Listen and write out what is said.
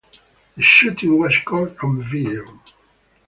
The shooting was caught on video.